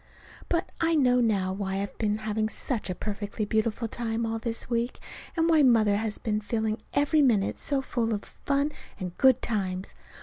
But I know now why I've been having such a perfectly beautiful time all this week, and why Mother has been filling every minute so full of fun and good times.